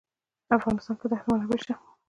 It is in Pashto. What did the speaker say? په افغانستان کې د دښتې منابع شته.